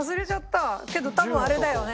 けど多分あれだよね。